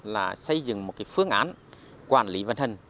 là xây dựng một phương án quản lý văn hân